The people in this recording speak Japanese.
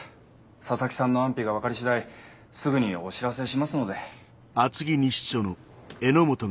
佐々木さんの安否が分かり次第すぐにお知らせしますので。